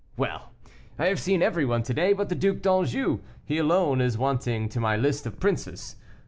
Well! I have seen everyone to day but the Duc d'Anjou; he alone is wanting to my list of princes.